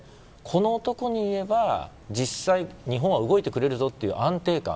このことに言えば、実際日本は動いてくれるぞという安定感。